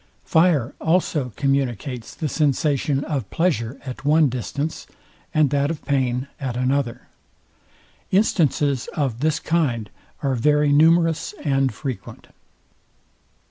Fire also communicates the sensation of pleasure at one distance, and that of pain at another. Instances of this kind are very numerous and frequent.